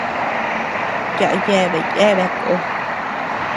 Yaʼa yeabea yéabea koo.